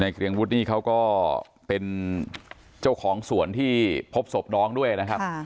เกรียงวุฒินี่เขาก็เป็นเจ้าของสวนที่พบศพน้องด้วยนะครับ